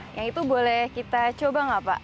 yang itu boleh kita coba nggak pak